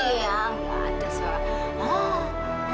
iya nggak ada suara